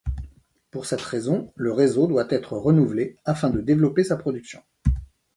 Pour cette raison, le réseau doit être renouvelé afin de développer sa production.